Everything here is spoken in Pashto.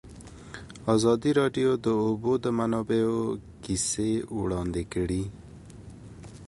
ازادي راډیو د د اوبو منابع کیسې وړاندې کړي.